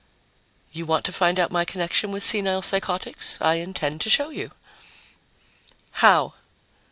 "You want to find out my connection with senile psychotics. I intend to show you." "How?"